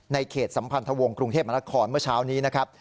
เขตสัมพันธวงศ์กรุงเทพมนครเมื่อเช้านี้นะครับ